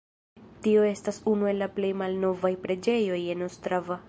Tio estas unu el la plej malnovaj preĝejoj en Ostrava.